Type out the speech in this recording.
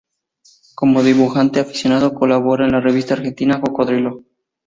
Como dibujante aficionado colabora en la revista argentina "Cocodrilo".